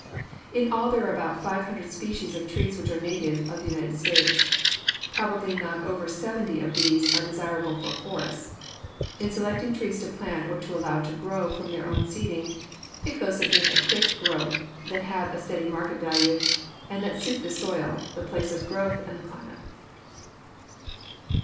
In all there are about five hundred species of trees which are natives of the United States. Probably not over seventy of these are desirable for forests. In selecting trees to plant or to allow to grow from their own seeding, pick those that make a quick growth, that have a steady market value, and that suit the soil, the place of growth, and the climate.